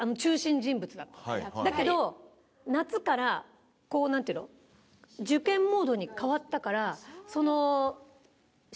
だけど夏からこうなんていうの受験モードに変わったからその。